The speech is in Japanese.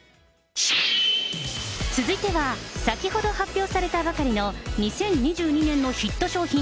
続いては先ほど発表されたばかりの、２０２２年のヒット商品